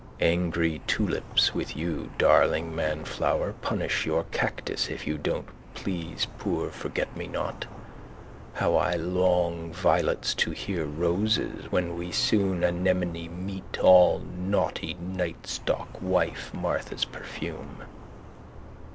Angry tulips with you darling manflower punish your cactus if you don't please poor forgetmenot how I long violets to dear roses when we soon anemone meet all naughty nightstalk wife Martha's perfume.